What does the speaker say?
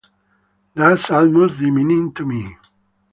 That's almost demeaning to me.